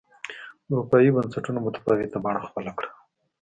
اروپایي بنسټونو متفاوته بڼه خپله کړه